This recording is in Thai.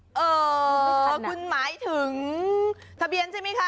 เออคุณหมายถึงทะเบียนใช่ไหมคะ